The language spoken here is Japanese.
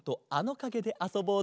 かげであそぼう？